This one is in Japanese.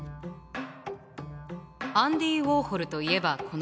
アンディ・ウォーホルといえばこの作品。